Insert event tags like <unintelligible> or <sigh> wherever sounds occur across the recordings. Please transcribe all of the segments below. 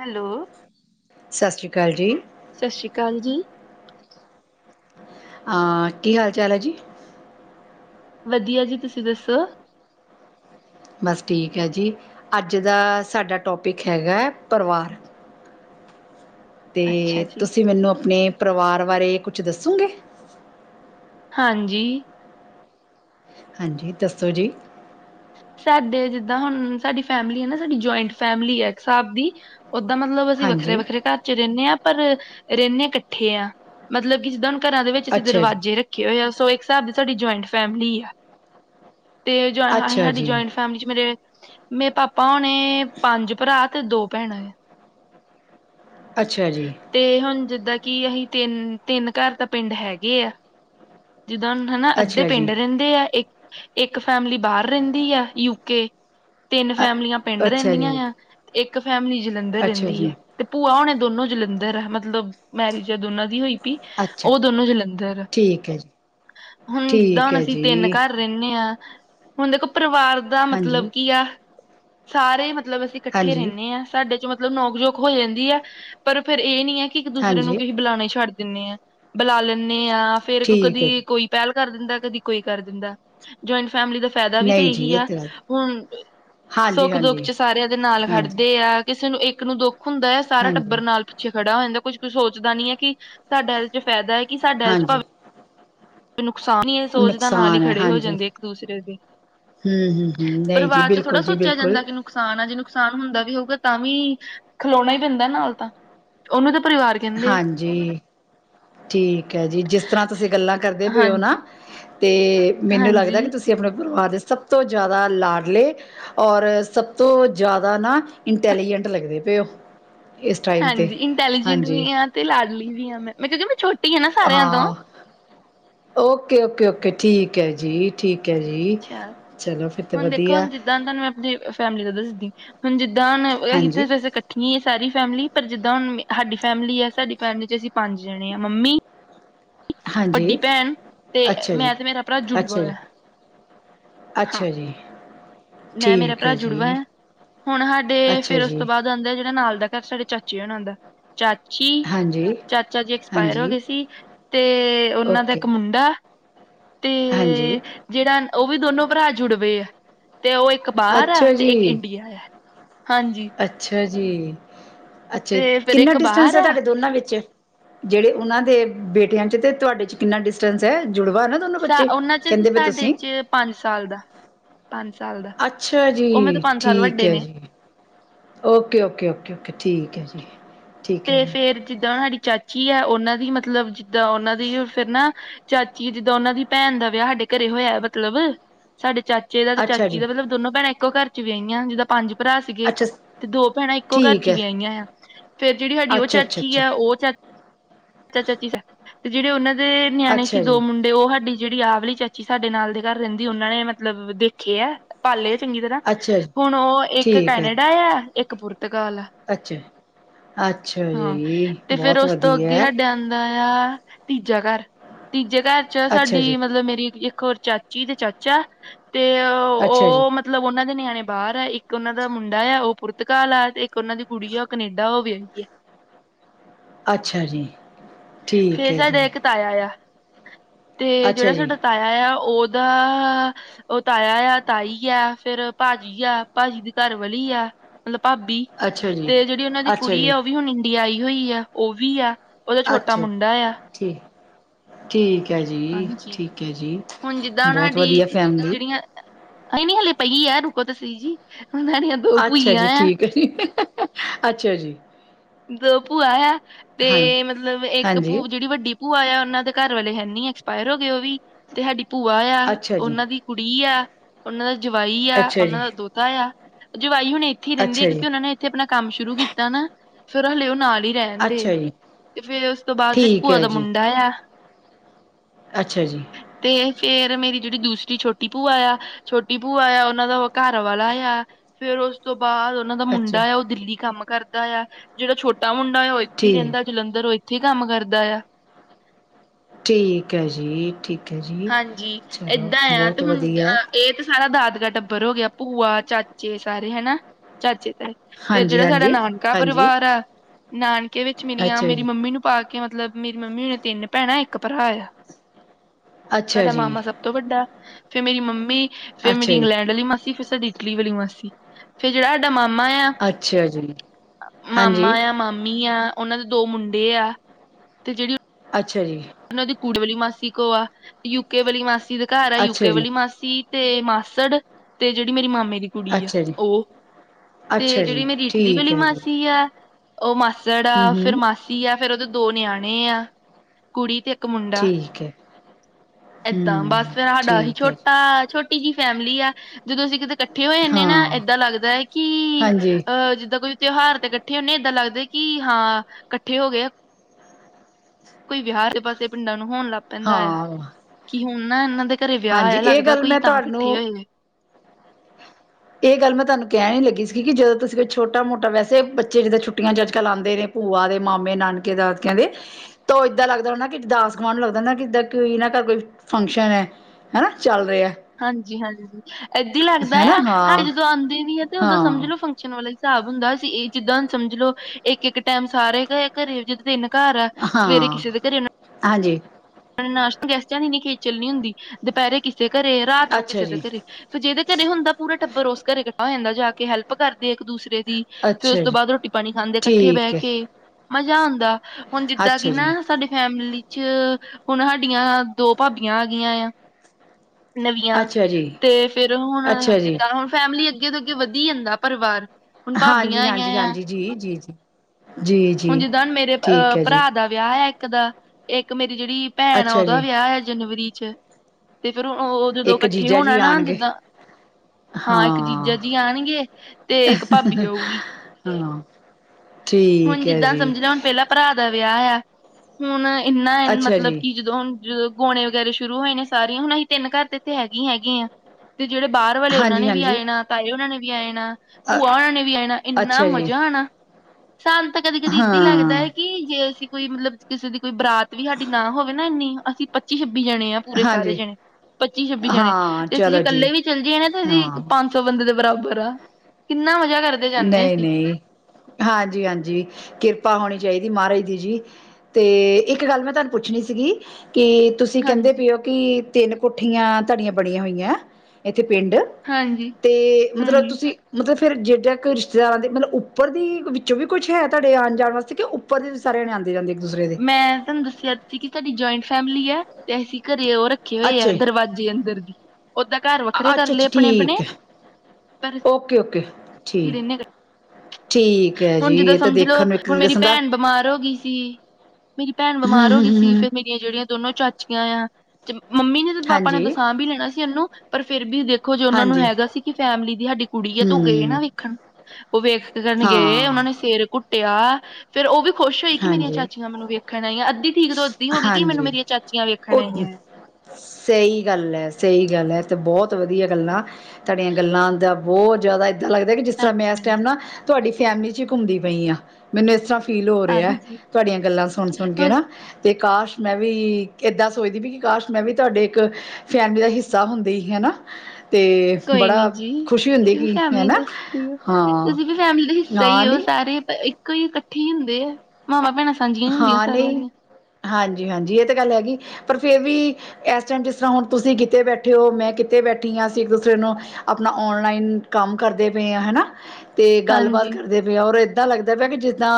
Hello! ਸਤਿ ਸ੍ਰਹ ਅਕਾਲ ਜੀ! ਸਤਿ ਸ੍ਰੀ ਅਕਾਲ ਜੀ ਕੀ ਹਾਲ ਚਾਲ ਹੈ ਜੀ ਵਧੀਆ ਜੀ ਤੁਸੀਂ ਦੱਸੋ ਬਸ ਠੀਕ ਹੈ ਜੀ ਅੱਜ ਦਾ ਸਾਡਾ ਟੋਪਿਕ ਹੈਗਾ ਪਰਿਵਾਰ ਤੇ, ਅੱਛਾ ਜੀ। ਤੁਸੀ ਮੈਨੂੰ ਆਪਣੇ ਪਰਿਵਾਰ ਬਾਰੇ ਕੁਛ ਦੱਸੋਂਗੇ? ਹਾਂਜੀ। ਹਾਂਜੀ, ਦੱਸੋ ਜੀ? ਸਾਡੇ ਜਿੱਦਾਂ ਹੁਣ, ਸਾਡੀ ਫੈਮਿਲੀ ਹੈ ਨਾ, ਸਾਡੀ ਜੁਆਇੰਟ ਫੈਮਿਲੀ ਹੈ ਇੱਕ ਹਿਸਾਬ ਦੀ। ਓਦਾਂ, ਮਤਲਬ ਅਸੀਂ ਹਾਂਜੀ ਵੱਖਰੇ-ਵੱਖਰੇ ਘਰ'ਚ ਰਹਿੰਨੇ ਹਾਂ, ਪਰ ਰਹਿੰਨੇ ਇਕੱਠੇ ਆ। ਮਤਲਬ ਕਿ ਜਿੱਦਾਂ ਘਰਾਂ ਦੇ ਵਿੱਚ ਅਸੀਂ ਅੱਛਾ ਜੀ ਦਰਵਾਜ਼ੇ ਰੱਖੇ ਹੋਏ ਆ, ਸੋ ਇੱਕ ਹਿਸਾਬ ਦੀ ਸਾਡੀ ਜੁਆਇੰਟ ਫੈਮਿਲੀ ਆ। ਤੇ, ਅਂ ਅੱਛਾ ਸਾਡੀ ਜੀ ਜੋਆਇੰਟ ਫੈਮਿਲੀ'ਚ ਮੇਰੇ 'ਮੇਰੇ ਪਾਪਾ ਹੋਣੇ ਪੰਜ ਭਰਾ ਤੇ, ਦੋ ਭੈਣਾਂ ਨੇ। ਅੱਛਾ ਜੀ ਤੇ, ਹੁਣ ਜਿੱਦਾਂ ਕਿ, ਅਸੀਂ ਤਿੰਨ-ਤਿੰਨ ਘਰ ਤਾ ਪਿੰਡ ਹੈਗੇ ਆ। ਜਿੱਦਾਂ ਹੁਣ ਹਨਾ, ਅੱਧੇ ਅੱਛਾ ਜੀ ਪਿੰਡ ਰਹਿੰਦੇ ਆ ਇੱਕ ਇੱਕ ਫੈਮਿਲੀ ਬਾਹਰ ਰਹਿੰਦੀ ਆ, ਯੂਕੇ। ਤਿੰਨ ਅ, ਫੈਮਲੀਆਂ ਪਿੰਡ ਅੱਛਾ ਰਹਿੰਦੀਆਂ ਜੀ ਆ, ਤੇ ਇੱਕ ਫੈਮਿਲੀ ਜਲੰਧਰ ਅੱਛਾ ਜੀ ਰਹਿੰਦੀ ਹੈ, ਤੇ ਭੂਆ ਹੋਣੇ ਦੋਨੋ ਜਲੰਧਰ ਲਜਰ ਮਤਲਬ ਮੈਰਿਜ ਦੋਨਾਂ ਦੀ ਹੋਈ ਪੀ, ਅੱਛਾ ਉਹ ਦੋਨੋ ਜਲੰਧਰ ਠੀਕ ਹੈ ਜੀ ਹੁਣ। ਜਿੱਦਾਂ ਠੀਕ ਹੁਣ, ਹੈ ਅਸੀਂ ਜੀ ਤਿੰਨ ਘਰ ਰਹਿੰਦੇ ਹੁਣ ਦੇਖੋ, ਪਰਿਵਾਰ ਦਾ ਹਾਂਜੀ ਮਤਲਬ ਕੀਆ ਸਾਰੇ ਮ ਮਤਲਬ ਅਸੀਂ ਇਕੱਠੇ ਹਾਂਜੀ ਰਹਿੰਨੇ ਹਾਂ, ਸਾਡੇ'ਚ ਮਤਲਬ ਨੋਕ-ਜੋੋਕ ਹੋ ਜਾਂਦੀ ਹੈ, ਪਰ ਫਿਰ ਇਹ ਨੀ ਹੈ ਕਿ ਇੱਕ-ਦੂਸਰੇ ਨੂੰ, ਹਾਂਜੀ ਕਿ ਬੁਲਾਣਾ ਹੀ ਛੱਡ ਦਿੰਨੇ ਆਂ, ਬੁਲਾ ਲੈਂਨੇ ਆ ਠੀਕ ਹੈ ਕਦੀ ਜੀ ਕੋਈ ਪਹਿਲ ਕਰ ਦਿੰਦਾ, ਕਦੀ ਕੋਈ ਕਰ ਦਿੰਦਾ ਜੁਆਇੰਟ ਫੈਮਿਲੀ ਦਾ ਫਾਇਦਾ ਵੀ ਤਾਂ ਨਹੀਂ ਜੀ ਇਹੀ ਇਹ ਆ ਗੱਲ ਹੁਣ ਹਾਂਜੀ ਸੁੱਖ ਦੁੱਖ ਹਾਂਜੀ ਚ ਸਾਰਿਆਂ ਦੇ ਨਾਲ ਹਾਂਜੀ ਖੜਦੇ ਆ ਕਿਸੇ ਨੂੰ ਇੱਕ ਨੂੰ ਦੁੱਖ ਹੁੰਦਾ ਹੈ ਸਾਰਾ ਹਾਂਜੀ ਟੱਬਰ ਨਾਲ ਪਿੱਛੇ ਖੜ ਹੋ ਜਾਂਦਾ ਕੁਛ ਸੋਚਦਾ ਨੀ ਹੈ ਕਿ ਸਾਡਾ ਚ ਫਾਇਦਾ ਹੈ ਕਿ ਸਾਡਾ ਚ ਹਾਂਜੀ ਭਾਵੈ ਨੁਕਸਾਨ ਹੀ ਇਹ ਸੋਚ ਦਾ ਨਾਲ ਹੀ ਨੁਕਸਾਨ ਹੈ ਖੜੇ ਹੋ ਹਾਂਜੀ ਜਾਂਦੇ ਇੱਕ ਦੂਸਰੇ ਦੇ ਹਮ ਹਮ ਹਮ ਨਹੀਂ ਜੀ ਪਰਿਵਾਰ ਚ ਥੋੜ੍ਹਾ ਬਿਲਕੁਲ ਜੀ ਸੋਚਿਆ ਬਿਲਕੁਲ ਜਾਂਦਾ ਕਿ ਨੁਕਸਾਨ ਆ ਜਿਹਨੂੰ ਨੁਕਸਾਨ ਹੁੰਦਾ ਵੀ ਹੋਊਗਾ ਤਾਂ ਵੀ ਖਲੋਣਾ ਹੀ ਪੈਂਦਾ ਨਾਲ ਤਾਂ ਉਹਨੂੰ ਤਾਂ ਉਹਨਾਂ ਦਾ ਹਾਂਜੀ ਠੀਕ ਹੈ ਜੀ ਜਿਸ ਤਰ੍ਹਾਂ ਤੁਸੀਂ ਗੱਲਾਂ ਕ ਕਰਦੇ ਪਏ ਹੋ ਨਾ ਹਾਂਜੀ ਤੇ ਮੈਨੂੰ ਹਾਂਜੀ ਲੱਗਦਾ ਕਿ ਤੁਸੀਂ ਆਪਣੇ ਸਭ ਤੋਂ ਜ਼ਿਆਦਾ ਲਾਡਲੇ ਔਰ ਸਭ ਤੋਂ ਜ਼ਿਆਦਾ ਨਾ ਇੰਟੈਲੀਜੈਂਟ ਜੇਂਟ ਲੱਗਦੇ ਪਏ ਉਹ ਹਾਂਜੀ ਇੰਟੈਲੀਜੈਂਟ ਵੀ ਹਾਂ ਤੇ ਲਾਡਲੀ ਵੀ ਹਾਂ ਮੈਂ ਮੈਂਉ ਮੈਂ ਛੋਟੀ ਆ ਨਾ ਸਾਰਿਆਂ ਤੋਂ ਹਾਂ ਓਕੇ ਓਕੇ ਓਕੇ ਠੀਕ ਹੈ ਜੀ ਠੀਕ ਹੈ ਜੀ ਅੱਛਾ ਚਲੋ ਫਿਰ ਤਾਂ ਹੁਣ ਦੇਖੋ ਵਧੀਆ ਹੁਣ ਜਿੱਦਾਂ ਤੁਹਾਨੂੰ ਮੈਂ ਆਪਣੀ ਫੈਮਿਲੀ ਦਾ ਦੱਸਦੀ ਹੁਣ ਜਿੱਦਾਂ <unintelligible> ਜੈੇ ਹਾਂਜੀ ਇਕੱਠੇ ਨਹੀਂ ਇਹ ਸਾਰੀ ਫੈਮਿਲੀ ਪਰ ਜਿੱਦਾਂ ਹੁਣ ਸਾਡੀ ਫੈਮਿਲੀ ਆ ਸਾਡੀ ਫੈਮਿਲੀ ਚ ਅਸੀਂ ਪੰਜ ਜਣੇ ਹਾਂ ਮੰਮੀ ਵੱਡੀ ਹਾਂਜੀ ਭੈਣ ਤੇ ਅੱਛਾ ਜੀ ਮੈਂ ਤੇ ਮੇਰਾ ਭਰਾ ਜੁੜਵਾ ਅੱਛਾ ਜੀ ਆ ਹਾਂ ਅੱਛਾ ਜੀ ਮੈਂ ਮੇਰਾ ਠੀਕ ਭਰਾ ਜੁੜਵਾ ਜੀ ਹੈ ਹੁਣ ਸਾਡੇ ਅੱਛਾ ਫੇਰ ਉਸ ਤੋਂ ਜੀ ਬਾਅਦ ਆਉਂਦਾ ਜਿਹੜਾ ਨਾਲ ਦਾ ਘਰ ਸਾਡੇ ਚਾਚੇ ਚਾਚੀ ਓਹਨਾ ਦਾ ਚਾਚੀ ਹਾਂਜੀ ਚਾਚਾ ਜੀ ਐਕਸਪਾਇਰ ਹੋ ਹਾਂਜੀ ਗਏ ਸੀ ਤੇ ਉਹਨਾਂ ਦਾ ਓਕੇ ਇੱਕ ਮੁੰਡਾ ਤੇ ਹਾਂਜੀ ਜਿਹੜਾ ਉਹ ਵੀ ਦੋਨੋ ਭਰਾ ਜੁੜਵੇਂ ਆ ਤੇ ਉਹ ਇੱਕ ਬਾਹਰ ਆ ਅੱਛਾ ਤੇ ਇੱਕ ਜੀ ਇੰਡੀਆ ਹੈ ਹਾਂਜੀ ਅੱਛਾ ਜੀ ਅੱਛਾ ਤੇ ਫੇਰ ਕਿੰਨਾ ਇੱਕ ਬਾਹਰ ਡਿਸਟੈਂਸ ਹੈ ਆ। ਤੁਹਾਡੇ ਦੋਨਾਂ ਵਿੱਚ ਜਿਹੜੇ ਉਹਨਾਂ ਦੇ ਬੇਟੀਆਂ ਤੇ ਤੁਹਾਡੇ ਚ ਕਿੰਨਾ ਡਿਸਟੈਂਸ ਹੈ ਜੁੜਵਾ ਨਾ ਦੋਨੋਂ ਸਾ ਬੱਚੇ ਉਹਨਾਂ ਚ ਕਹਿੰਦੇ ਪਏ ਸਾਡੇ ਤੁਸੀਂ ਚ ਪੰਜ ਸਾਲ ਦਾ ਪੰਜ ਸਾਲ ਦਾ ਅੱਛਾ ਉਹ ਮੇ ਤੋਂ ਜੀ ਪੰਜ ਸਾਲ ਠੀਕ ਵੱਡੇ ਹੈ ਨੇ ਜੀ ਓਕੇ ਓਕੇ ਓਕੇ ਓਕੇ ਠੀਕ ਹੈ ਜੀ ਠੀਕ ਹੈ ਤੇ ਜੀ ਫੇਰ ਜਿੱਦਾਂ ਹਾਡੀ ਚਾਚੀ ਹੈ ਉਹਨਾਂ ਦੀ ਮਤਲਬ ਜਿੱਦਾਂ ਉਹਨਾਂ ਦੀ ਫੇਰ ਨਾ ਚਾਚੀ ਜਿੱਦਾਂ ਉਹਨਾਂ ਦੀ ਭੈਨ ਦਾ ਵਿਆਹ ਸਾਡੇ ਘਰੇ ਹੋਇਆ ਮਤਲਬ ਸਾਡੇ ਚਾਚੇ ਦਾ ਤੇ ਅੱਛਾ ਚਾਚੀ ਜੀ ਦਾ ਮਤਲਬ ਦੋਨੋ ਭੈਣਾਂ ਇੱਕੋ ਘਰ ਚ ਵਿਆਈਆਂ ਜਿੱਦਾਂ ਪੰਜ ਭਰਾ ਸੀਗੇ ਅੱਛਾ ਤੇ ਦੋ ਭੈਣਾਂ ਇੱਕੋ ਘਰ ਠੀਕ ਚ ਹੈ ਵਿਆਹੀ ਆਈਆਂ ਆ ਫਿਰ ਜਿਹੜੀ ਸਾਡੀ ਉਹ ਅੱਛਾ ਅੱਛਾ ਚਾਚੀ ਅੱਛਾ ਆ ਉਹ ਚਾ ਚਾਚਾ ਚਾਚੀ ਤੇ ਜਿਹੜੇ ਉਹਨਾਂ ਦੇ ਨਿਆਣੇ ਸੀ ਅੱਛਾ ਦੋ ਜੀ ਮੁੰਡੇ ਉਹ ਸਾਡੀ ਜਿਹੜੀ ਆਵਲੀ ਚਾਚੀ ਸਾਡੇ ਨਾਲ ਦੇ ਘਰ ਰਹਿੰਦੀ ਉਹਨਾਂ ਨੇ ਮਤਲਬ ਦੇਖੇ ਹੈ ਪਾਲੇ ਚੰਗੀ ਤਰ੍ਹਾਂ ਅੱਛਾ ਜੀ ਹੁਣ ਉਹ ਇੱਕ ਠੀਕ ਹੈ ਜੀ। ਕੈਨੇਡਾ ਆ ਇੱਕ ਪੁਰਤਗਾਲ ਹੈ, ਅੱਛਾ, ਅੱਛਾ ਜੀ ਤੇ ਫੇਰ ਬਹੁਤ ਉਸ ਤੋਂ ਅੱਗੇ ਵਧੀਆ। ਅੱਗੇ ਸਾਡੇ ਆਉਂਦਾ ਆ ਤੀਜਾ ਘਰ ਤੀਜੇ ਘਰ ਚ ਅੱਛਾ ਜੀ, ਸਾਡੀ ਮਤਲਬ ਮੇਰੀ ਇੱਕ ਹੋਰ ਚਾਚੀ ਤੇ ਚਾਚਾ ਤੇ ਅੱਛਾ ਜੀ, ਉਹ ਮਤਲਬ ਉਹਨਾਂ ਦੇ ਨਿਆਣੇ ਬਾਹਰ ਆ ਇੱਕ ਉਹਨਾਂ ਦਾ ਮੁੰਡਾ ਆ ਉਹ ਪੁਰਤਕਾਲ ਆ ਤੇ ਇੱਕ ਉਹਨਾਂ ਦੀ ਕੁੜੀ ਆ ਉਹ ਕਨੇਡਾ ਉਹ ਵਿਆਹੀ ਹੈ ਅੱਛਾ ਜੀ ਠੀਕ ਫੇਰ ਹੈ ਜੀ। ਸਾਡੇ ਇੱਕ ਤਾਇਆ ਆ ਤੇ ਅੱਛਾ ਜਿਹੜਾ ਜੀ, ਸਾਡਾ ਤਾਇਆ ਆ ਉਹ ਉਹ ਓਦਾ ਉਹ ਤਾਇਆ ਆ ਤਾਈ ਆ ਫੇਰ ਭਾਜੀ ਆ ਭਾਜੀ ਦੀ ਘਰਵਾਲੀ ਆ ਮਤਲਬ <unintelligible> ਭਾਬੀ ਅੱਛਾ ਜੀ, ਤੇ ਜਿਹੜੀ ਉਹਨਾਂ ਦੀ ਅੱਛਾ ਕੁੜੀ ਜੀ, ਆ ਉਹ ਵੀ ਹੁਣ ਇੰਡੀਆ ਆਈ ਹੋਈ ਆ ਉਹ ਵੀ ਆ ਉਹਦਾ ਛੋਟਾ ਤਾਂ ਅੱਛਾ ਮੁੰਡਾ ਆ ਠੀਕ ਠੀਕ ਹੈ ਜੀ ਠੀਕ ਹੈ ਜੀ ਹੁਨ ਜਿੱਦਾਂ ਬਹੁਤ ਸਾਡੀ ਵਧੀਆ ਫੈਮਲੀ, ਜਿਹੜੀਆਂ ਇਹ ਨੀ ਹਲੇ ਪਈ ਏ ਰੁਕੋ ਤਾਂ ਸਈ ਜੀ ਉਹਨਾਂ ਦੀਆਂ ਦੋ ਅੱਛਾ ਭੂਈਆ ਜੀ ਆ ਠੀਕ ਹੈ ਜੀ, ਅੱਛਾ ਜੀ ਦੋ ਭੂਆ ਆ ਹਾਂਜੀ, ਤੇ ਮਤਲਬ ਇੱਕ ਹਾਂਜੀ, ਭੂ ਜਿਹੜੀ ਵੱਡੀ ਭੂਆ ਇਆ ਉਹਨਾਂ ਦੇ ਘਰ ਵਾਲੇ ਹੈਨੀ ਐਕਸਪਾਇਰ ਹੋ ਗਏ ਉਹ ਵੀ ਤੇ ਸਾਡੀ ਭੂਆ ਇਆ ਅੱਛਾ ਜੀ, ਉਹਨਾਂ ਦੀ ਕੁੜੀ ਆ ਉਹਨਾਂ ਦਾ ਜਵਾਈ ਆ ਅੱਛਾ ਉਹਨਾਂ ਜੀ, ਦਾ ਦੋਤਾ ਆ ਜਵਾਈ ਹੁਣ ਇੱਥੇ ਹੀ ਰਹਿੰਦੇ ਅੱਛਾ ਜੀ। ਕਿਉਂਕਿ ਉਹਨਾਂ ਨੇ ਇੱਥੇ ਆਪਣਾ ਕੰਮ ਸ਼ੁਰੂ ਕੀਤਾ ਨਾ ਫਿਰ ਹਲੇ ਉਹ ਨਾਲ ਰਹਿੰਦੇ ਅੱਛਾ ਜੀ, ਤੇ ਫੇਰ ਉਸ ਤੋਂ ਬਾਅਦ ਵਿੱਚ ਠੀਕ ਭੂਆ ਹੈ ਦਾ ਜੀ, ਮੁੰਡਾ ਆ ਅੱਛਾ ਜੀ ਤੇ ਫੇਰ ਮੇਰੀ ਜਿਹੜੀ ਦੂਸਰੀ ਛੋਟੀ ਭੂਆ ਇਆ ਛੋਟੀ ਭੂਆ ਇਆ ਉਹਨਾਂ ਦਾ ਉਹ ਘਰ ਵਾਲਾ ਇਆ ਫੇਰ ਉਸ ਤੋਂ ਬਾਅਰ ਉਹਨਾਂ ਦਾ ਅੱਛਾ ਮੁੰਡਾ ਆ ਉਹ ਦਿੱਲੀ ਕੰਮ ਕਰਦਾ ਆ ਜਿਹੜਾ ਛੋਟਾ ਮੁੰਡਾ ਉਹ ਇੱਥੇ ਈ ਠੀਕ। ਰਹਿੰਦਾ ਜਲੰਧਰ ਉਹ ਇੱਥੇ ਈ ਕੰਮ ਕਰਦਾ ਆ ਠੀਕ ਹੈ ਜੀ, ਠੀਕ ਹੈ ਜੀ। ਹਾਂਜੀ ਚਲੋ ਏਦਾਂ ਆ ਬਹੁਤ ਤੇ ਹੁਨ ਵਧੀਆ ਹੈ, ਅ ਇਹ ਤਾਂ ਸਾਰਾ ਦਾਦਕਾ ਟੱਬਰ ਹੋ ਗਿਆ ਭੂਆ ਚਾਚੇ ਸਾਰੇ ਹੈਨਾ ਚਾਚੇ ਤੇ ਫੇਰ ਹਾਂਜੀ- ਜੇਹੜਾ ਸਾਡਾ ਹਾਂਜੀ। ਨਾਨਕਾ ਹਾਂਜੀ। ਪਰਿਵਾਰ ਆ ਨਾਨਕੇ ਵਿੱਚ ਮੇਰੀਆਂ ਅੱਛਾ ਮੇਰੀ ਜੀ, ਮੰਮੀ ਨੂੰ ਪਾ ਕੇ ਮਤਲਬ ਮੇਰੀ ਮੰਮੀ ਨੇ ਤਿੰਨ ਭੈਨਾ ਇੱਕ ਭਰਾ ਆ ਅੱਛਾ ਸਾਡਾ ਜੀ, ਮਾਮਾ ਸਭ ਤੋਂ ਵੱਡਾ ਫੇਰ ਮੇਰੀ ਮੰਮੀ ਫੇਰ ਮੇਰੀ ਅੱਛਾ ਜੀ, ਇੰਗਲੈਂਡ ਵਾਲੀ ਮਾਸੀ ਫ ਇਟਲੀ ਵਾਲੀ ਮਾਸੀ ਫੇਰ ਜਿਹੜਾ ਸਾਡਾ ਮਾਮ ਅੱਛਾ ਜੀ ਮਾਮਾ ਹਾਂਜੀ, ਆ ਮਾਮੀ ਆ ਉਹਨਾਂ ਦੇ ਦੋ ਮੁੰਡੇ ਆ ਤੇ ਜਿਹੜੀ ਅੱਛਾ -ਜੀ ਉਹਦੀ ਕੁੜੇ ਵਾਲੀ ਮਾਸੀ ਕੋ ਆ ਯੂਕੇ ਵਾਲੀ ਮਾਸੀ ਦੇ ਘਰ ਆ ਅੱਛਾ ਯੂਕੇ ਜੀ, ਵਾਲੀ ਮਾਸੀ ਤੇ ਮਾਸੜ ਤੇ ਜਿਹੜੀ ਮੇਰੀ ਮਾਮੇ ਕੁੜੀ ਅ ਅੱਛਾ ਜੀ। ਉਹ ਤੇ ਅੱਛਾ ਜਿਹੜੀ ਜੀ, ਮੇਰੀ ਇਟਲੀ ਠੀਕ ਵਾਲੀ ਹੈ ਜੀ, ਮਾਸੀ ਆ ਉਹ ਮਾਸੜ ਹੂੰ- ਆ ਫੇਰ ਹੂੰ ਮਾਸੀ ਆ ਫੇਰ ਉਹਦੇ ਦੋ ਨਿਆਣੇ ਆ ਕੁੜੀ ਤੇ ਮੁੰਡਾ ਠੀਕ ਹੈ। ਏਦਾਂ ਹੂੰ, ਬਸ ਸਾਡਾ ਠੀਕ ਹੈ ਜੀ, ਛੋਟਾ ਛੋਟਾ ਫੈਮਿਲੀ ਆ ਜਦੋਂ ਅਸੀਂ ਕਿਤੇ ਕ ਇਕੱਠੇ ਹੋਏ ਨੇ ਨਾ ਹਾਂ, ਏਦਾਂ ਲੱਗਦਾ ਹ ਕਿ ਹਾਂਜੀ। ਅਹ ਜਿੱਦਾਂ ਕੋਈ ਤਿਉਹਾਰ ਤੇ ਇਕੱਠੇ ਹੁੰਦੇ ਏਦਾਂ ਲੱਗਦੇ ਕਿ ਹਾਂ -ਇਕੱਠੇ ਹੋ ਗਏ ਆ ਕੋਈ ਵਿਹਾਰ ਦੇ ਪਾਸੇ ਪਿੰਡਾਂ ਨੂੰ ਹੋਣ ਲੱਗ ਪੈਂਦਾ ਐ, ਹਾਂ, ਕਿ ਹੁਣ ਨਾ ਇਹਨਾਂ ਦੇ ਘਰੇ ਵਿਆਹ ਹਾਂਜੀ ਹੈ, ਇਹ ਲੱਗਦਾ ਗੱਲ ਕੋਈ, ਮੈਂ ਤਾਂ ਇਕੱਠੇ ਤੁਹਾਨੂੰ ਹੋਏ ਇਹ ਗੱਲ ਮੈਂ ਤੁਹਾਨੂੰ ਕਹਿਣੀ ਲੱਗੀ ਸੀਗੀ ਕਿ ਜਦੋਂ ਤੁਸੀਂ ਕੋਈ ਛੋਟਾ ਮੋਟਾ ਵੈਸੇ ਬੱਚੇ ਜਦੌ ਛੁੱਟੀਆਂ ਚ ਅੱਜ ਕੱਲ ਆਉਂਦੇ ਨੇ ਭੂਆ ਦੇ ਮਾਮੇ ਨਾਨਕੇ ਦਾਦਕਿਆਂ ਦੇ ਤ ਉਹ ਇੱਦਾਂ ਲੱਗਦਾ ਹ ਨਾ ਕਿ ਦਾਸ ਕਾਨ ਨੂੰ ਲੱਗਦਾ ਨਾ ਕਿੱਦਾਂ ਕਿਈ ਨਾ ਕੋਈ ਫੰਕਸ਼ਨ ਏ ਹੈਨਾ ਚੱਲ ਰਿਹਾ ਹਾਂਜੀ -ਹਾਂਜੀ ਏਦਾਂ ਲੱਗਦਾ ਹਨਾ ਇਆ। ਹ ਹਾਂ ਜਦੋਂ ਆਉਂਦੇ ਵੀ ਏ ਤੇ ਉਦਾਂ ਸਮਝ ਹਾਂ ਲਓ ਫੰਕਸ਼ਨਾ ਹਿਸਾਬ ਹੁੰਦਾ ਸੀ ਇਹ ਜਿੱਦਾਂ ਸਮਝ ਲਓ ਇੱਕ ਇੱਕ ਟਾਈਮ ਸਾਰੇ ਗਏ ਘਰੇ ਜਦੋਂ ਤਿੰਨ ਘਰ ਆ। ਸਵੇਰੇ ਹਾਂ ਕਿਸੇ ਦੇ ਘਰੇ ਹਾਂਜੀ ਪਣ ਨਾਸ਼ਤੇ ਗੇਸਟਾ ਦੀ ਇਨੀ ਖੇਚਲ ਨੀ ਹੁੰਦੀ ਦੁਪਹਿਰੇ ਕਿਸੇ ਰਾਤ ਨੂੰ ਅੱਛਾ ਕਿਸੇ ਦੇ ਜੀ ਘਰੇ। ਤੇ ਜਿਹਦੇ ਘਰੇ ਹੁੰਦਾ ਪੂਰਾ ਟੱਬਰ ਉਸ ਘਰੇ ਕੱਠਾ ਹੋ ਜਾਂਦਾ। ਜਾ ਕੇ ਹੈਲਪ ਕਰਦੇ ਇੱਕ ਦੂਸਰੇ ਫੇਿਰ ਉਸ ਅੱਛਾ ਤੋਂ ਜੀ ਬਾਅਦ ਰੋਟੀ ਪਾਨੀ ਖਾਂਦੇ ਇਕੱਠੇ ਠੀਕ ਬਹਿ ਹੈ ਕੇ ਮਜ਼ਾ ਆਉਂਦਾ ਹੁਨ ਜਿੱਦਾਂ ਕਿ ਅੱਛਾ ਨਾ ਜੀ ਸਾਡੀ ਫੈਮਲੀ ਚ ਹੁਨ ਹਾਡੀਆਂ ਦੋ ਭਾਬੀਆਂ ਆ ਗਈਆਂ ਆ ਨਵੀਆਂ। ਅੱਛਾ ਜੀ ਤੇ ਫੇਰ ਹੁਣ ਅੱਛਾ ਜੀ ਜਿੱਦਾਂ ਹੁਣ ਫੈਮਿਲੀ ਅੱ ਅੱਗੇ ਵਧੀ ਜਾਂਦਾ ਪਰਿਵਾਰ ਹੁਣ ਭਾਬੀਆਂ ਹਾਂਜੀ -ਹਾਂਜੀ ਆਈਆਂ ਆ -ਹਾਂਜੀ -ਜੀ -ਜੀ -ਜੀ ਜੀ ਹੁਣ ਜੀ ਜਿੱਦਾ ਮੇਰੇ ਅ ਠੀਕ ਹੈ ਜੀ ਭਰਾ ਦਾ ਵਿਆਹ ਏ ਇੱਕ ਦਾ। ਇੱਕ ਮੇਰੀ ਜਿਹੜੀ ਭੈਣ ਆ। ਅੱਛਾ ਉਹਦਾ ਜੀ ਵਿਆਹ ਆ ਜਨਵਰੀ ਚ ਤੇ ਫੇਰ ਉਹ ਜਦੋਂ ਇੱਕ ਇਕੱਠੇ ਜੀਜਾ ਹੋਣਾ ਜੀ ਨਾ ਆਉਣਗੇ ਜਿੱਦਾਂ ਹਾਂ ਇੱਕ ਜੀਜਾ ਜੀ ਆਣਗੇ। ਤੇ ਇੱਕ ਭਾਬੀ ਆਊਗੀ ਹਾਂ ਹੁਨ ਠੀਕ ਹੈ ਜਿੱਦਾਂ ਜੀ ਸਮਝ ਲੈ। ਹੁਨ ਪਹਿਲਾਂ ਭਰਾ ਦਾ ਵਿਆਹ ਆ ਹੁਨ ਇੰਨਾ ਅੱਛਾ ਮਤਲਬ ਜੀ ਕਿ ਹੁਣ ਜਦੋਂ ਗੋਣੇ ਵਗੈਰਾ ਸ਼ੁਰੂ ਹੋਏ ਨੇ ਸਾਰੇ ਹੁਣ ਅਸੀਂ ਤਿੰਨ ਘਰ ਤੇ ਇੱਥੇ ਹੈਗੇ- ਹੈਗੇ ਆ। ਤੇ ਜਿਹੜੇ ਬਾਹਰ ਵਾਲੇ ਉਹਨਾਂ ਹਾਂਜੀ ਨੇ ਵੀ ਆ ਹਾਂਜੀ ਜਾਣਾ, ਤਾਏ ਉਹਨਾਂ ਨੇ ਵੀ ਆ ਜਾਣਾ ਅ ਭੂਆ ਉਹਨਾਂ ਨੇ ਵੀ ਆ ਜਾਣਾ, ਇੰਨਾ ਅੱਛਾ ਜੀ ਮਜ਼ਾ ਆਉਣਾ ਸਾਨੂੰ ਤਾਂ ਕਦੀ ਕਦੀ ਇੱਦਾਂ ਲੱਗਦਾ ਹਾਂ ਹੈ, ਕਿ ਜੇ ਅਸੀਂ ਕੋਈ ਮਤਲਬ, ਕਿਸੇ ਦੀ ਕੋਈ ਬਰਾਤ ਵੀ ਸਾਡੀ ਨਾ ਹੋਵੇ ਨੀ ਅਸੀਂ ਪੱਚੀ ਛੱਬੀ ਜਣੇ ਆ ਪੂਰੇ ਸਾਰੇ ਹਾਂਜੀ ਜਣੇ ਪੱਚੀ ਛੱਬੀ ਜਣੇ, ਹਾਂ ਤੇ ਅਸੀਂ ਜੇ ਚਲੋ ਜੀ ਇਕੱਲੇ ਵੀ ਚੱਲ ਜਾਏ ਨਾ ਤੇ ਅਸੀਂ ਹਾਂ ਪੰਜ ਸੌ ਬੰਦੇ ਦੇ ਬਰਾਬਰ ਆ, ਕਿੰਨਾ ਮਜ਼ਾ ਕਰਦੇ ਜਾਂਦੇ ਨਹੀਂ- ਅਸੀਂ ਨਹੀਂ, ਹਾਂਜੀ -ਹਾਂਜੀ ਕਿਰਪਾ ਹੋਣੀ ਚਾਹੀਦੀ ਦੀ ਮਹਾਰਾਜ ਦੀ ਜੀ। ਤੇ ਇੱਕ ਗੱਲ ਮੈਂ ਤੁਹਾਨੂੰ ਪੁੱਛਣੀ ਸੀਗੀ ਕੀ ਤੁਸੀਂ ਕਹਿੰਦੇ ਹਾਂਜੀ ਪਏ ਹੋ ਕਿ ਤਿੰਨ ਕੋਠੀਆਂ ਤੁਹਾਡੀਆਂ ਬਣੀਆਂ ਹੋਈਆਂ। ਇਥੇ ਪਿੰਡ ਹਾਂਜੀ ਤੇ ਮਤਲਬ ਤੇ ਹਾਂਜੀ ਤੁਸੀਂ ਮਤਲਬ ਫਿਰ ਜੇਜਾ ਈ ਰਿਸ਼ਤੇਦਾਰਾਂ ਦੇ ਮਤਲਬ ਉੱਪਰ ਦੀ ਵਿੱਚੋਂ ਵੀ ਕੁਛ ਹੈ ਤੁਹਾਡੇ ਆਉਣ ਜਾਣ ਵਾਸਤੇ ਕਿ ਉੱਪਰ ਦੇ ਵੀ ਸਾਰੇ ਜਣੇ ਆਂਦੇ। ਮੈਂ ਤੁਹਾਨੂੰ ਦੱਸਿਆ ਸੀ ਕਿ ਸਾਡੀ ਜੁਆਇੰਟ ਫੈਮਿਲੀ ਹੈ, ਤੇ ਅਸੀਂ ਘਰ ਤੇ ਔਹ ਰੱਖੇ ਹੋਏ ਹੈ ਅੱਛਾ ਜੀ, ਦਰਵਾਜ਼ੇ ਅੰਦਰ, ਦੀ ਓਦਾਂ ਘਰ ਵੱਖਰੇ ਕਰ ਲਏ ਆਪਣੇ ਆਪਣੇ। ਪਰ ਔਕੇ ਔਕੇ ਅਸੀਂ ਠੀਕ ਰਹਿੰਦੇ ਠੀਕ ਹੈ ਹੁਣ ਜੀ ਜਿੱਦਾਂ ਇਹ ਤਾਂ ਸਮਝ ਲੋੋ, ਦੇਖਣ ਨੂੰ ਇੱਕ ਹੁਣ ਮੇਰੀ ਕਿਸਮ ਦਾ ਭੈਣ ਬਿਮਾਰ ਹੋ ਗਈ ਸੀ ਮੇਰੀ ਭੈਣ ਹੂੰ ਬਿਮਾਰ ਹੋ ਹੂੰ ਗਈ ਹੂੰ ਸੀ, ਹੂੰ ਫੇਰ ਮੇਰੀਆਂ ਜਿਹੜੀਆਂ ਦੋਨੋ ਚਾਚੀਆਂ ਆ ਤੇ ਮੰਮੀ ਨੇ ਤੇ ਪਾਪਾ ਨੇ ਹਾਂਜੀ ਦਸਾਂ ਵੀ ਲੈਣਾ ਸੀ ਇਹਨੂੰ ਪਰ ਫਿਰ ਵੀ ਦੇਖੋ ਜੋ ਉਹਨਾਂ ਨੂੰ ਹਾਂਜੀ ਹੈਗਾ ਸੀ ਕਿ ਫੈਮਿਲੀ ਦੀ ਸਾਡੀ ਕੁੜੀ ਹੈ, ਤੇ ਔਹ ਗਏ ਨਾ ਹੂੰ ਵੇਖਣ, ਔਹ ਵੇਖ ਕਰਨ ਗਏ ਹਾਂ ਉਹ ਨੇ ਸਿਰ ਘੁੱਟਿਆ, ਫੇਰ ਉਹ ਵੀ ਖੁਸ਼ ਹੋਈ ਕਿ ਮੇਰੀਆਂ ਚਾਚ ਹਾਂਜੀ ਚਾਚੀਆਂ ਮੈਨੂੰ ਵੇਖਣ ਆਈ ਆ, ਅੱਧੀ ਠੀਕ ਤੋਂ ਅੱਧੀ ਹੋ ਗਈ ਕਿ ਮੈਨੂੰ ਹਾਂਜੀ ਮੇਰੀ ਚਾਚੀਆਂ ਵੇਖਣ ਆਈ ਉਹ ਹੈ। ਸਹੀ ਗੱਲ ਹੈ, ਸਹੀ ਗੱਲ ਹੈ। ਤੇ ਬਹੁਤ ਵਧੀਆ ਗੱਲਾਂ, ਤੁਹਾਡੀਆਂ ਗੱਲਾਂ ਦਾ ਬਹੁਤ ਜ਼ਿਆਦਾ ਇੱਦਾਂ ਲੱਗਦਾ ਕਿ ਜਿਸ ਤਰ੍ਹਾਂ ਮੈਂ ਇਸ ਹਾਂਜੀ ਟਾਈਮ ਨਾ ਤੁਹਾਡੀ ਫੈਮਿਲੀ ਚ ਹੀ ਘੁੰਮਦੀ ਪਈ ਆ, ਮੈਨੂੰ ਇਸ ਤਰ੍ਹਾਂ ਫੀਲ ਹੋ ਰਿਹਾ ਹਾਂਜੀ ਤੁਹਾਡੀਆਂ ਗੱਲਾਂ ਸੁਣ ਸੁਣ ਕੇ ਹੁਣ ਨਾ, ਤੇ ਕਾਸ਼ ਮੈਂ ਵੀ ਏਦਾਂ ਸੋਚਦੀ ਵੀ ਕਿ ਕਾਸ਼ ਮੈਂ ਵੀ ਤੁਹਾਡੇ ਇੱਕ ਫੈਮਿਲੀ ਦਾ ਹਿੱਸਾ ਹੁੰਦੀ ਸੀ ਹੈ। ਤੇ ਕੋਈ ਨੀ ਬੜਾ ਜੀ ਖੁਸ਼ੀ ਹੁੰਦੀ, ਤੁਸੀਂ ਵੀ ਕਿ ਫੈਮਿਲੀ ਹੈਨਾ ਦੱਸਦੇ ਹੋ ਹਾਂ ਤੁਸੀਂ ਵੀ ਫੈਮਿਲੀ ਦਾ ਹਿੱਸਾ ਹਾਂ ਹੀ ਹੋ ਨੀ ਸਾਰੇ ਇੱਕੋ ਹੀ ਇਕੱਠੇ ਹੀ ਹੁੰਦੇ ਐ, ਮਾਵਾਂ ਭੈਣਾਂ ਸਾਂਝੀਆਂ ਹੀ ਹੁੰਦੀਆਂ ਹਾਂ ਸਾਰਿਆਂ ਨਹੀਂ ਦੀਆਂ। ਹਾਂਜੀ ਹਾਂਜੀ ਇਹ ਤਾਂ ਗੱਲ ਹੈਗੀ ਪਰ ਫਿਰ ਵੀ ਇਸ ਟਾਈਮ ਜਿਸ ਤਰ੍ਹਾਂ ਹੁਣ ਤੁਸੀਂ ਕਿਤੇ ਬੈਠੇ ਹੋ ਮੈਂ ਕਿੱਤੇ ਬੈਠੀ ਹੈ ਅਸੀਂ ਇੱਕ ਦੂਸਰੇ ਨੂੰ ਆਪਣਾ ਔਨਲਾਈਨ ਕੰਮ ਕਰਦੇ ਪਏ ਹਾਂ ਹਨਾ ਤੇ ਗੱਲਬਾਤ ਹਾਂਜੀ ਕਰਦੇ ਪਏ ਔਰ ਏਦਾਂ ਲੱਗਦਾ ਪਿਆ ਕਿ ਜਿੱਦਾਂ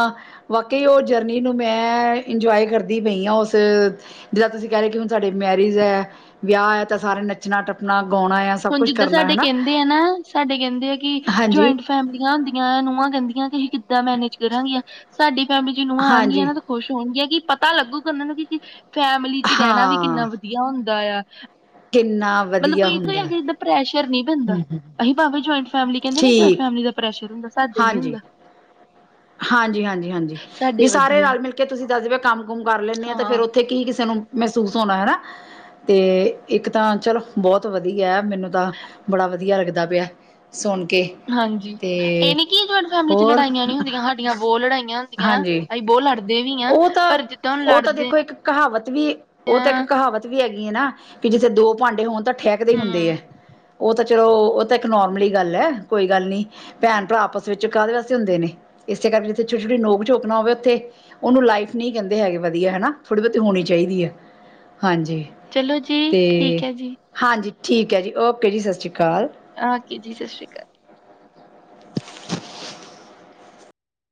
ਵਾਕਈ ਉਹ ਜ ਚਟਨੀ ਨੂੰ ਮੈਂ ਇੰਜੋਏ ਕਰਦੀ ਪਈ ਹਾਂ ਉਸ ਜਿੱਦਾਂ ਤੁਸੀਂ ਕਹਿ ਰਹੇ ਕਿ ਹੁਣ ਸਾਡੇ ਮੈਰਿਜ ਹੈ ਵਿਆਹ ਹੈ, ਤਾਂ ਸਾਰੇ ਨੱਚਣਾ ਟੱਪਣਾ ਗਾਉਣਾ ਆ ਸਭ ਹੁਣ ਕੁਛ ਜਿੱਦਾਂ ਕਰਨਾ ਸਾਡੇ ਹੈ ਕਹਿੰਦੇ ਆ ਨਾ, ਸਾਡੇ ਕਹਿੰਦੇ ਆ ਕਿ ਹਾਂਜੀ ਜੁਆਇੰਟ ਫੈਮਲੀਆਂ ਹੁੰਦੀਆਂ ਆ ਨੂੰਹਾਂ ਕਹਿੰਦੀਆਂ ਤੁਸੀਂ ਕਿੱਦਾਂ ਮੈਨੇਜ ਕਰਨਗੀਆ, ਸਾਡੀ ਫੈਮਿਲੀ ਜ ਨੂੰਹਾਂ ਆਉਣਗੀਆਂ ਹਾਂਜੀ ਨਾ ਤਾਂ ਖੁਸ਼ ਹੋਣਗੀਆਂ ਕਿ ਪਤਾ ਲੱਗੂਗਾ ਉਹਨਾਂ ਨੂੰ ਕਿ ਫੈਮਿਲੀ ਚ ਰਹਿਣਾ ਵੀ ਹਾਂ ਕਿੰਨਾ ਵਧੀਆ ਹੁੰਦਾ ਆ ਕਿੰਨਾ ਮਤਲਬ ਵਧੀਆ ਕੋਈ ਇੱਥੋਂ ਹੀ ਹੁੰਦਾ ਹੈ ਕਿ ਇੱਧਾਂ ਪ੍ਰੈਸ਼ਰ ਨਹੀਂ ਬਦਾ ਹੂੰ ਹੂੰ ਅਸੀ ਭਾਵੇਂ ਜਆਇੰਟ ਫੈਮਲੀ ਕਹਿੰਦੇ ਸਾਡੀ ਠੀਕ ਫੈਮਲੀ ਦਾ ਪ੍ਰੈਸ਼ਰ ਹੁੰਦਾ, ਸਾਦੇ ਨੀ ਹਾਂਜੀ ਹੁੰਦਾ। ਹਾਂਜੀ ਹਾਂਜੀ ਹਾਂਜੀ ਵੀ ਸਾਡੇ ਸਾਰੇ ਵਧੀਆ ਰਲ ਮਿਲ ਕੇ, ਤੁਸੀਂ ਦੱਸਦੇ ਕੰਮ ਕੁਮ ਕਰ ਲੈਂਦੇ ਆ ਤੇ ਫੇਿਰ ਹਾਂ ਉੱਥੇ ਕੀ ਚਲੋ ਕਿਸੇ ਨੂੰ ਮਹਿਸੂਸ ਹੋਣਾ, ਹੈਨਾ ਤੇ ਇੱਕ ਤਾਂ ਚਲੋ ਬਹੁਤ ਵਧੀਆ, ਮੈਨੂੰ ਤਾਂ ਬੜਾ ਵਧੀਆ ਲੱਗਦਾ ਪਿਆ ਸੁਣ ਕੇ, ਹਾਂਜੀ ਇਹ ਤੇ ਨੀ ਕਿ ਜੁਆਇੰਟ ਫੈਮਿਲੀ ਚ ਹੋਰ ਲੜਾਈਆਂ ਨਹੀਂ ਹੁੰਦੀਆਂ ਸਾਡੀਆਂ ਬਹੁਤ ਲੜਾਈਆਂ ਹੁੰਦੀਆਂ ਹਾਂਜੀ ਅਸੀਂ ਬਹੁਤ ਲੜਦੇ ਵੀ ਹਾਂ ਉਹ ਤਾਂ, ਪਰ ਜਿੱਦਾਂ ਹੁਣ ਉਹ ਤਾਂ ਲੜਦੇ ਦੇਖੋ ਇੱਕ ਕਹਾਵਤ ਵੀ ਔਹ ਤਾਂ ਇੱਕ ਆ ਕਹਾਵਤ ਵੀ ਹੈਗੀ ਹੈ ਨਾ, ਕਿ ਜਿੱਥੇ ਦੋ ਭਾਂਡੇ ਹੋਣ ਤਾਂ ਠਹਿਕਦੇ ਹੀ ਹਮ ਹੁੰਦੇ ਐ, ਉਹ ਤਾਂ ਚਲੋ ਉਹ ਤਾਂ ਇੱਕ ਨੋਰਮਲੀ ਗੱਲ ਹੈ, ਕੋਈ ਗੱਲ ਨੀ ਭੈਣ ਭਰਾ ਆਪਸ ਵਿੱਚ ਕਾਹਦੇ ਵਾਸੇ ਹੁੰਦੇ ਨੇ। ਇਸੇ ਕਰਕੇ ਜਿੱਥੇ ਛੋਟੀ ਛੋਟੀ ਨੋਕ ਝੋਕ ਨਾ ਹੋਵੇ, ਉੱਥੇ ਉਹਨੂੰ ਲਾਈਫ ਨਹੀਂ ਕਹਿੰਦੇ ਹੈਗੇ ਵਧੀਆ ਹਨ ਥੋੜ ਬਹੁਤੀ ਹੋਣੀ ਚਹੀਦੀ ਚਾਹੀਦੀ ਹੈ, ਹਾਂਜੀ ਚਲੋ ਜੀ, ਤੇ ਠੀਕ ਹੈ ਜੀ। ਹਾਂਜੀ ਠੀਕ ਹੈ ਜੀ, ਔਕੇ ਜੀ, ਸਤਿ ਸ਼੍ਰੀ ਅਕਾਲ ਔਕੇ ਜੀ, ਸਤਿ ਸ਼੍ਰੀ ਅਕਾਲ <unintelligible>